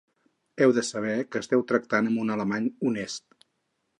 Heu de saber que esteu tractant amb un alemany honest...